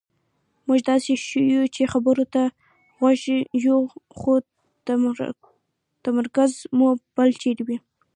مونږ داسې ښیو چې خبرو ته غوږ یو خو تمرکز مو بل چېرې وي.